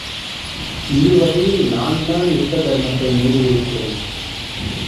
இருவகையில் நான்தான் யுத்த தர்மத்தை மீறியிருக்கிறேன்.